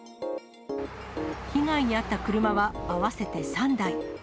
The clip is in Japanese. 被害に遭った車は、合わせて３台。